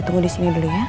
tunggu disini dulu ya